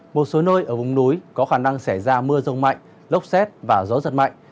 một số nơi ở vùng núi có khả năng xảy ra mưa rông mạnh lốc xét và gió giật mạnh